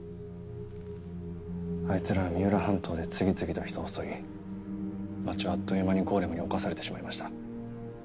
あいつらは三浦半島で次々と人を襲い街はあっという間にゴーレムに侵されてしまいました。